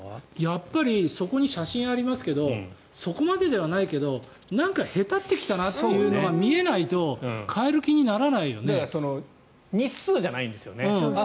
やっぱり、そこに写真ありますけどそこまでではないけどなんかへたってきたなというのが見えないと日数じゃないんですよね。